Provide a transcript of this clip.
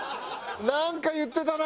なんか言ってたな！